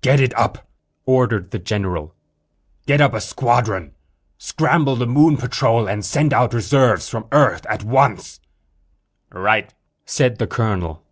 "Get it up," ordered the general. "Get up a squadron. Scramble the Moon patrol and send out reserves from Earth at once." "Right!" said the colonel.